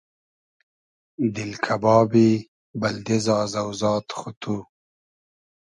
دیل کئبابی بئلدې زازۆزاد خو تو